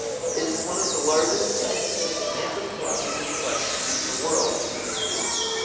It is one of the largest scientific and anthropological collections in the world in this field.